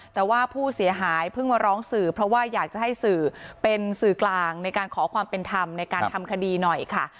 แต่ว่าผู้เสียหายเพิ่งมาร้องสื่อเพราะว่าอยากจะให้สื่อเป็นสื่อกลางในการขอความเป็นธรรมในการทำคดีหน่อยค่ะ